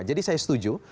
jadi saya setuju